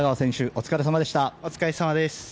お疲れさまです。